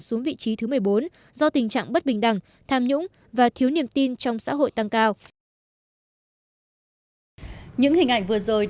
xuống vị trí thứ một mươi bốn do tình trạng bất bình đẳng tham nhũng và thiếu niềm tin trong xã hội tăng cao